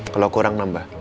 kalau kurang nambah